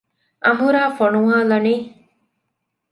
އަނބުރާ ފޮނުވާލަނީ؟